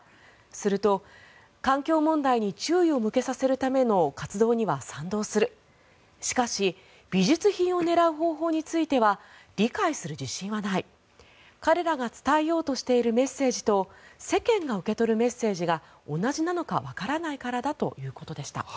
すると環境問題に注意を向けさせるための活動には賛同するしかし美術品を狙う方法については理解する自信はない彼らが伝えようとしているメッセージと世間が受け止めるメッセージが同じなのかわからないからだということでした。